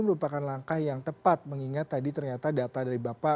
merupakan langkah yang tepat mengingat tadi ternyata data dari bapak